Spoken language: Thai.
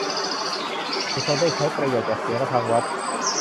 มีคนได้ใช้ประโยชน์จากเสียงระฆังวัด